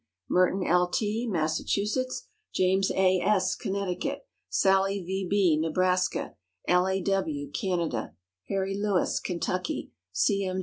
Merton L. T., Massachusetts; James A. S., Connecticut; Sallie V. B., Nebraska; L. A. W., Canada; Harry Lewis, Kentucky; C. M.